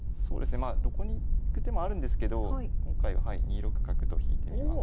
どこに行く手もあるんですけど今回は２六角と引いてみます。